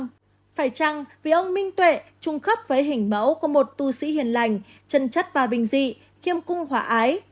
phải chăng vì ông bình tuệ trung khắp với hình mẫu của một tu sĩ hiền lành chân chất và bình dị kiêm cung hỏa ái